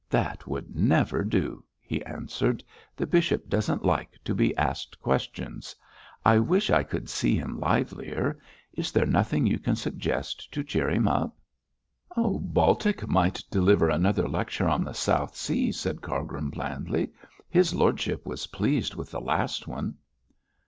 'That would never do!' he answered. 'The bishop doesn't like to be asked questions. I wish I could see him livelier; is there nothing you can suggest to cheer him up?' 'Baltic might deliver another lecture on the South Seas!' said Cargrim, blandly. 'His lordship was pleased with the last one.'